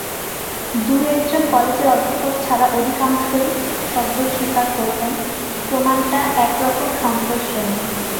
দুই-একজন কলেজের অধ্যাপক ছাড়া অধিকাংশ সভ্যই স্বীকার করলে, প্রমাণটা একরকম সন্তোষজনক।